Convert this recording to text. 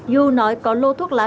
yu nói có lô thuốc lá